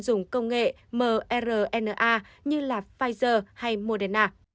dùng công nghệ mrna như pfizer hay moderna